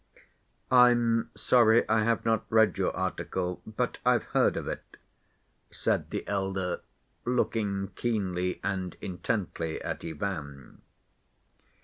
"I'm sorry I have not read your article, but I've heard of it," said the elder, looking keenly and intently at Ivan.